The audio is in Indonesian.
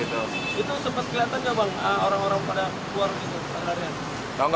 itu sempat kelihatan juga bang orang orang pada keluar gitu